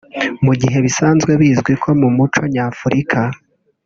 Mu gihe bisanzwe bizwi ko mu muco nyafurika